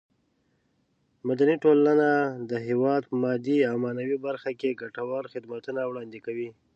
مدني ټولنه د هېواد په مادي او معنوي برخه کې ګټور خدمتونه وړاندې کوي.